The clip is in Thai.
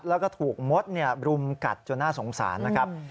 แล้วก็ถูกมดรุมกัดจนน่าสงสารนะครับ